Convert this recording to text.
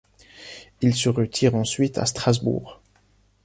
Il se retire ensuite à Strasbourg.